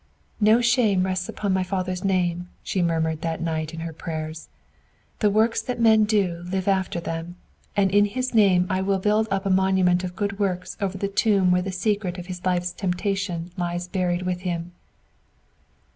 "No shame rests upon my father's name," she murmured, that night, in her prayers. "The works that men do live after them, and in his name I will build up a monument of good works over the tomb where the secret of his life's temptation lies buried with him."